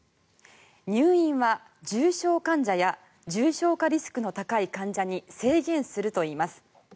入院は重症患者や重症化リスクの高い患者に制限するといいます。